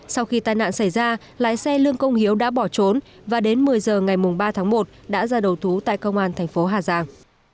sau khi tai nạn xảy ra lái xe lương công hiếu đã bỏ trốn và đến một mươi giờ ngày ba tháng một đã ra đầu thú tại công an thành phố hà giang